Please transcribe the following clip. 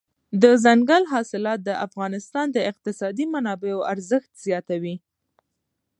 دځنګل حاصلات د افغانستان د اقتصادي منابعو ارزښت زیاتوي.